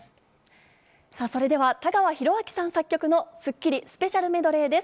それでは田川ヒロアキさん作曲の『スッキリ』スペシャルメドレーです。